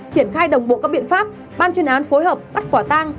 triển khai đồng bộ các biện pháp ban chuyên án phối hợp bắt quả tang